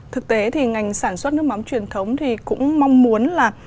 thực tế thì ngành sản xuất nước mắm truyền thống thì cũng mong muốn là